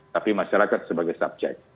tapi masyarakat sebagai subjek